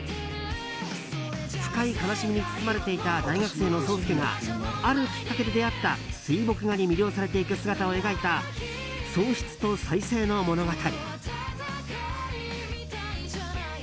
深い悲しみに包まれていた大学生の霜介があるきっかけで出会った水墨画に魅了されていく姿を描いた喪失と再生の物語。